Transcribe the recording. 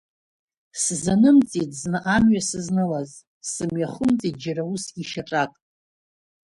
Сзанымҵит зны амҩа сызнылаз, сымҩахымҵит џьара усгьы шьаҿак.